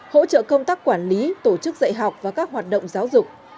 hỗ trợ công tác quản lý tổ chức dạy học và các hoạt động giáo dục